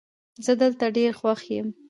زه دلته ډېر خوښ یم